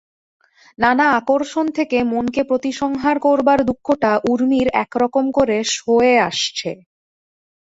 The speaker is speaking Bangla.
নানা আকর্ষণ থেকে মনকে প্রতিসংহার করবার দুঃখটা ঊর্মির একরকম করে সয়ে আসছে।